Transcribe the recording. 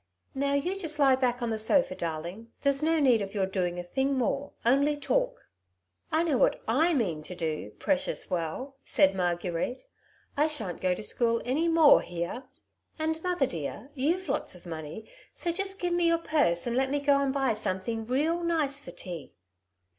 Now you just lie back on the sofa, darling ; there's no need of your doing a thing more, only talk." " I know what I mean to do, precious well," said Marguerite. " I shan't go to school any more Aere ; and, mother dear, you've lots of money, so just give me your purse, and let me go and buy something real nice for tea."